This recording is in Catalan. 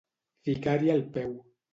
Ficar-hi el peu.